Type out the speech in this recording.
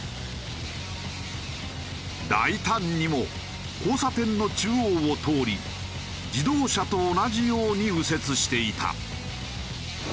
大胆にも交差点の中央を通り自動車と同じように右折していた。